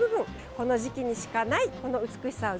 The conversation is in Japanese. この時期にしかないこの美しさを